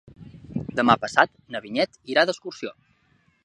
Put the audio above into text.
Demà passat na Vinyet irà d'excursió.